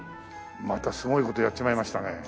またすごい事やっちまいましたね。